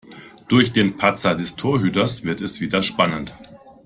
Durch den Patzer des Torhüters wird es wieder spannend.